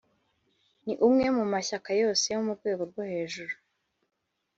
ni umwe mu mashyaka yose yo mu rwego rwo hejuru.